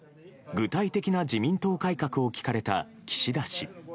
具体的な自民党改革を聞かれた岸田氏。